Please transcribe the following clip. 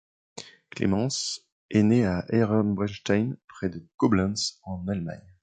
Clemens est né à Ehrenbreitstein, près de Coblence en Allemagne.